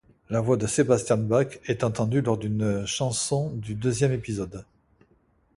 La voix de Sebastian Bach est entendue lors d'une chanson du deuxième épisode.